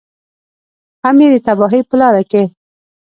هم یې د تباهۍ په لاره کې.